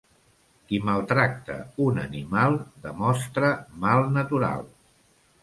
Qui maltracta un animal demostra mal natural.